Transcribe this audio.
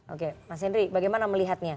oke mas henry bagaimana melihatnya